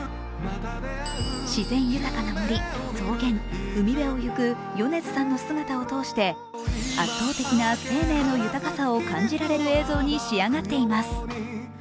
自然豊かな森、草原、海辺を行く米津さんの姿を通して、圧倒的な生命の豊かさを感じられる映像に仕上がっています。